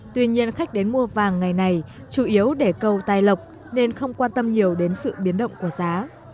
tuy nhiên khách đến mua vàng ngày này chủ yếu để câu tai lọc nên không quan tâm nhiều đến sự biến động của giá